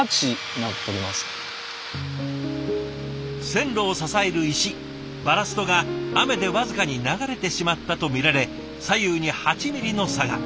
線路を支える石バラストが雨で僅かに流れてしまったとみられ左右に８ｍｍの差が。